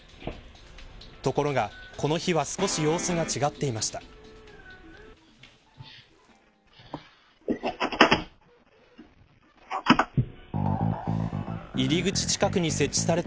ところが、この日は少し様子が違っていました。